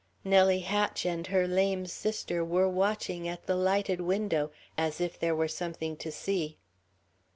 Nellie Hatch and her lame sister were watching at the lighted window, as if there were something to see.